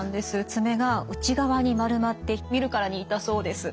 爪が内側に丸まって見るからに痛そうです。